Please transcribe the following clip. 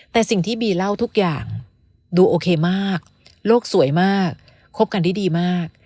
แต่สิ่งที่บีเล่าทุกอย่างดูโอเคมากโลกสวยมากคบกันได้ดีมาก